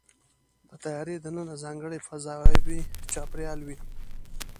د طیارې دننه ځانګړی فضاوي چاپېریال وي.